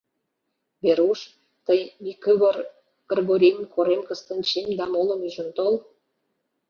Веруш, тый Микывыр Кргорим, Корем Кыстинчим да молым ӱжын тол.